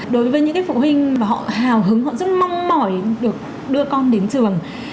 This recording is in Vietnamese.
đối với những cái phụ huynh họ hào hứng họ rất mong mỏi được đưa con đến trường